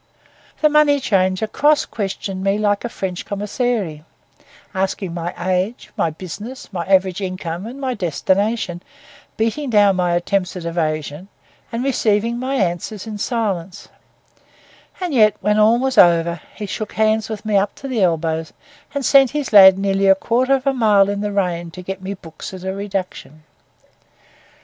The money changer cross questioned me like a French commissary, asking my age, my business, my average income, and my destination, beating down my attempts at evasion, and receiving my answers in silence; and yet when all was over, he shook hands with me up to the elbows, and sent his lad nearly a quarter of a mile in the rain to get me books at a reduction.